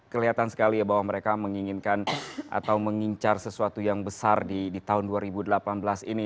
kelihatan sekali ya bahwa mereka menginginkan atau mengincar sesuatu yang besar di tahun dua ribu delapan belas ini